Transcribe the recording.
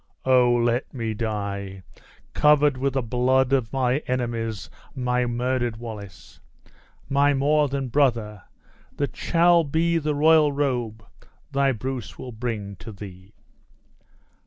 Oh! let me die, covered with the blood of thy enemies, my murdered Wallace! my more than brother, that shall be the royal robe thy Bruce will bring to thee!"